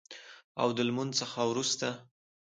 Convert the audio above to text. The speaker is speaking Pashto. او د لمونځ څخه وروسته